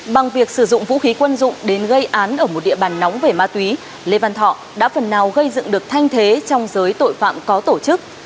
bằng việc sử dụng vũ khí quân dụng đến gây án ở một địa bàn nóng về ma túy lê văn thọ đã phần nào gây dựng được thanh thế trong giới tội phạm có tổ chức